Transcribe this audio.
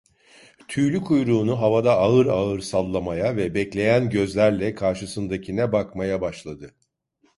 Tüylü kuyruğunu havada ağır ağır sallamaya ve bekleyen gözlerle karşısındakine bakmaya başladı.